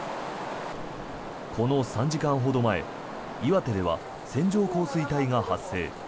この３時間ほど前岩手では線状降水帯が発生。